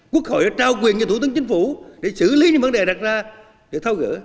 quốc hội đã trao quyền cho thủ tướng chính phủ để xử lý những vấn đề đặt ra để thao gỡ